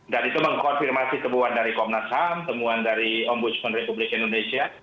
dan itu mengkonfirmasi temuan dari komnas ham temuan dari ombudsman republik indonesia